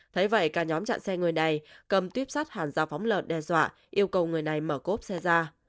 thấy vậy cả nhóm chặn xe người này cầm tuyếp sắt hàn dao phóng lợn đe dọa yêu cầu người này mở cốp xe ra